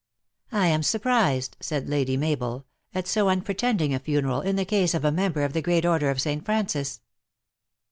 " I am surprised," said Lady Mabel, " at so unpre tending a funeral, in the case of a member of the great order of St. Francis."